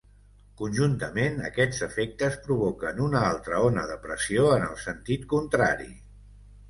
Conjuntament, aquests efectes provoquen una altra ona de pressió en el sentit contrari.